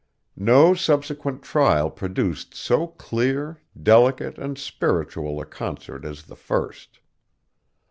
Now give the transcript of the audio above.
No subsequent trial produced so clear, delicate, and spiritual a concert as the first.